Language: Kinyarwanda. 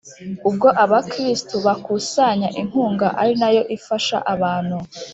ubwo abakristu bakusanya inkunga ari nayo ifashaabantu